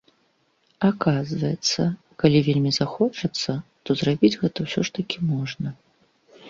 Аказваецца, калі вельмі захочацца, то зрабіць гэта ўсё ж такі можна.